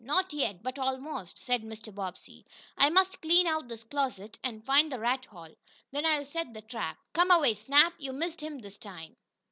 "Not yet but almost," said Mr. Bobbsey. "I must clean out this closet, and find the rat hole. Then I'll set the trap. Come away Snap. You missed him that time."